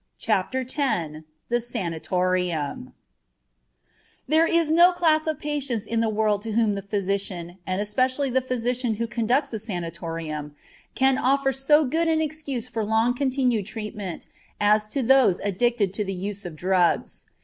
CHAPTER X THE SANATORIUM There is no class of patients in the world to whom the physician, and especially the physician who conducts a sanatorium, can offer so good an excuse for long continued treatment as to those addicted to the use of drugs.